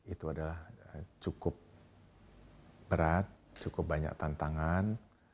itu adalah cukup berat cukup banyak tantangan